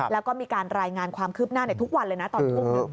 แล้วก็มีการรายงานความคืบหน้าในทุกวันเลยนะตอนทุ่ม